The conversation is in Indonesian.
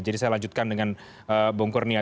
jadi saya lanjutkan dengan bung kurnia